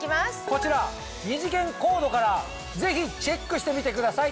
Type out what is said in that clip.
こちら２次元コードからぜひチェックしてみてください。